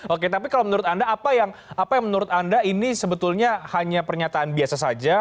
oke tapi kalau menurut anda apa yang menurut anda ini sebetulnya hanya pernyataan biasa saja